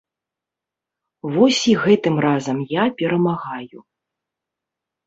Вось і гэтым разам я перамагаю.